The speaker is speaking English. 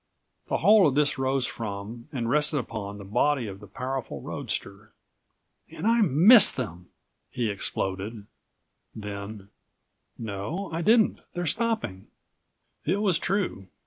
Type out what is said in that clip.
The whole of this rose from, and rested upon, the body of the powerful roadster. "And I missed them!" he exploded, then: "No, I didn't. They're stopping." It was true.